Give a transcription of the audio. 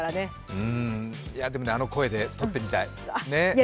でもあの声で取ってみたい。